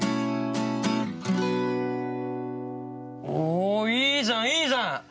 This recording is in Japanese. おおいいじゃんいいじゃん。